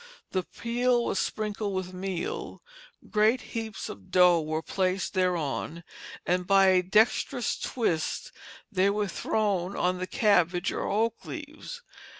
The peel was sprinkled with meal, great heaps of dough were placed thereon, and by a dexterous twist they were thrown on the cabbage or oak leaves.